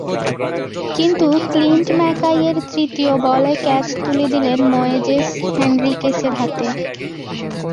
কিন্তু ক্লিন্ট ম্যাকাইয়ের তৃতীয় বলে ক্যাচ তুলে দিলেন ময়েজেস হেনরিকেসের হাতে।